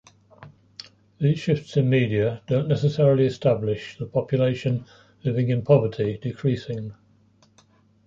These shifts in media don't necessarily establish the population living in poverty decreasing.